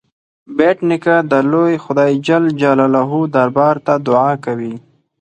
بېټ نیکه د لوی خدای جل جلاله دربار ته دعا کوي.